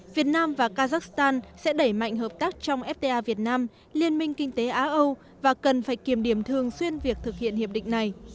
việt nam và kazakhstan sẽ đẩy mạnh hợp tác trong fta việt nam liên minh kinh tế á âu và cần phải kiềm điểm thường xuyên việc thực hiện hiệp định này